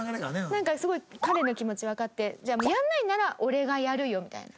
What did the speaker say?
なんかすごい彼の気持ちわかってじゃあやらないなら俺がやるよみたいな。